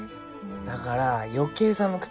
だから余計寒くて。